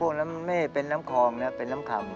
พวกนั้นไม่เป็นน้ำคองครับเป็นน้ำคำ